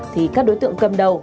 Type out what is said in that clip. thì các đối tượng cầm đầu